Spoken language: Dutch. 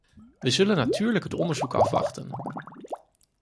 We zullen natuurlijk het onderzoek afwachten.